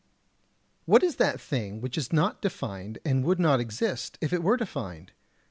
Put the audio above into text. What is that thing which is not defined and would not exist if it were defined?